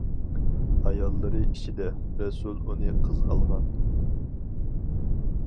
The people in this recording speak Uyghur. ئاياللىرى ئىچىدە، رەسۇل ئۇنى قىز ئالغان.